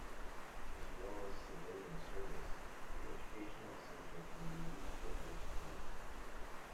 As well as civilian service, the Educational Center can be used for other schooling.